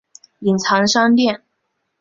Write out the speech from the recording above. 隐藏商店